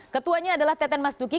ketuanya adalah teten mas duki